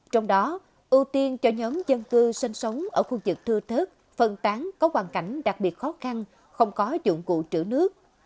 trong đó ưu tiên cho nhóm dân cư sinh sống ở khu vực thưa thớt phân tán có hoàn cảnh đặc biệt khó khăn không có dụng cụ trữ nước